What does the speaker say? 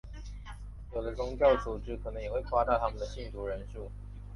有的宗教组织可能也会夸大他们的信徒人数。